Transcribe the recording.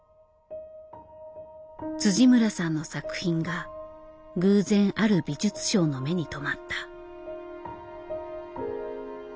村さんの作品が偶然ある美術商の目に留まった。